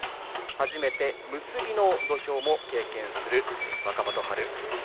初めて結びの土俵を経験する若元春。